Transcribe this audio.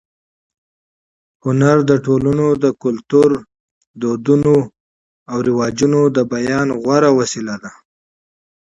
هنر د ټولنې د کلتور، عنعناتو او رواجونو د بیان غوره وسیله ده.